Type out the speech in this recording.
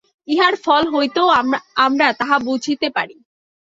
ইহার ফল হইতেও আমরা তাহা বুঝিতে পারি।